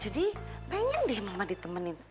pengen deh mama ditemenin